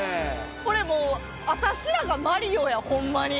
これもう私らがマリオやホンマに。